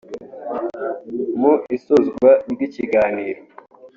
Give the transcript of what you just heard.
Mu isozwa ry’ikiganiro